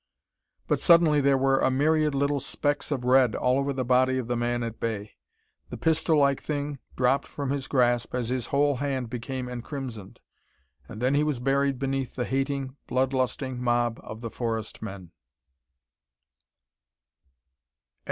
But suddenly there were a myriad little specks of red all over the body of the man at bay. The pistol like thing dropped from his grasp as his whole hand became encrimsoned. And then he was buried beneath the hating, blood lusting mob of the forest men.